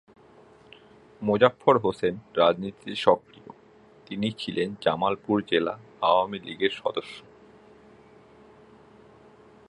মোজাফফর হোসেন রাজনীতিতে সক্রিয় তিনি ছিলেন জামালপুর জেলা আওয়ামী লীগের সদস্য।